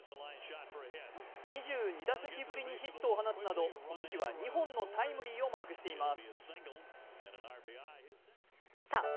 ２２打席ぶりにヒットを放つなどこの日は２本のタイムリーをマークしています。